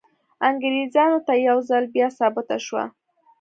انګریزانو ته یو ځل بیا ثابته شوه.